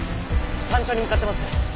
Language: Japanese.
山頂に向かってます。